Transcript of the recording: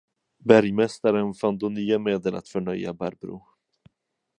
Bergmästaren fann då nya medel att förnöja Barbro.